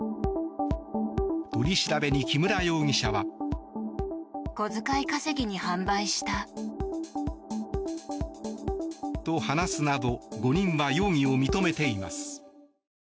取り調べに木村容疑者は。と、話すなど５人は容疑を認めています。